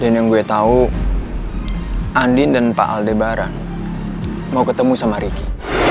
dan yang gue tau andien dan pak aldebaran mau ketemu sama ricky